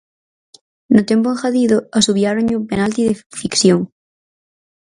No tempo engadido asubiáronlle un penalti de ficción.